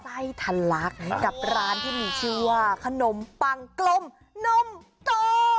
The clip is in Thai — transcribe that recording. ไส้ทะลักกับร้านที่มีชื่อว่าขนมปังกลมนมโต